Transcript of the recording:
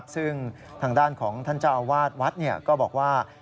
ซึ่งทางด้านของท่านเจ้าอาวาสวัดก็บอกว่า